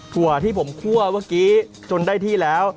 ถั่วที่ผมคั่วเมื่อกี้จนได้ที่แล้ว